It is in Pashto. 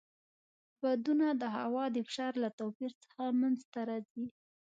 بادونه د هوا د فشار له توپیر څخه منځته راځي.